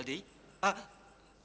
rani bangun ran